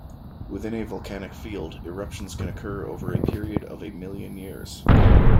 Within a volcanic field, eruptions can occur over a period of a million years.